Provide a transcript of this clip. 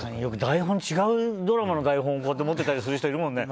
違うドラマの台本持ってたりする人もいるもんね。